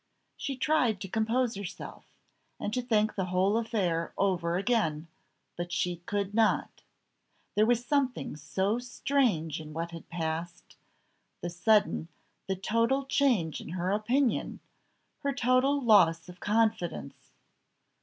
She tried to compose herself, and to think the whole affair over again; but she could not. There was something so strange in what had passed! The sudden the total change in her opinion her total loss of confidence!